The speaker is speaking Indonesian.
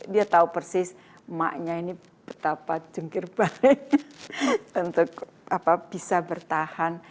dia tahu persis emaknya ini betapa jengkir balik untuk bisa bertahan